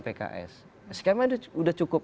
pks skema itu sudah cukup